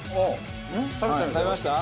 食べました？